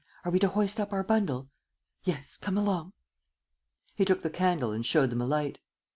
Are we to hoist up our bundle?" "Yes, come along!" He took the candle and showed them a light.